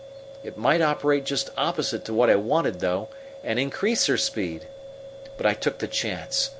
It might operate just opposite to what I wanted, though, and increase her speed." "But I took the chance.